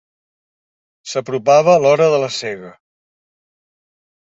S'apropava l'hora de la sega.